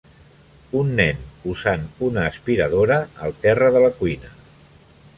Un nen usant una aspiradora al terra de la cuina.